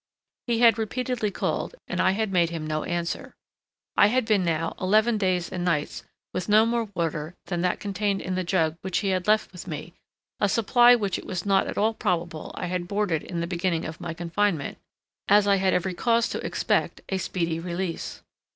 He had repeatedly called, and I had made him no answer. I had been now eleven days and nights with no more water than that contained in the jug which he had left with me—a supply which it was not at all probable I had hoarded in the beginning of my confinement, as I had every cause to expect a speedy release.